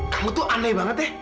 kamu tuh aneh banget deh